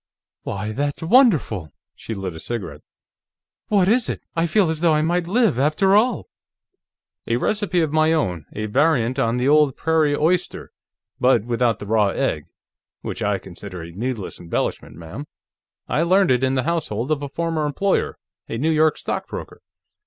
"Why, that's wonderful!" She lit a cigarette. "What is it? I feel as though I might live, after all." "A recipe of my own, a variant on the old Prairie Oyster, but without the raw egg, which I consider a needless embellishment, ma'am. I learned it in the household of a former employer, a New York stockbroker.